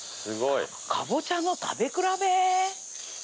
カボチャの食べ比べ？